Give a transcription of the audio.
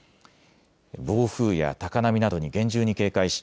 暴風や高波などに厳重に警戒し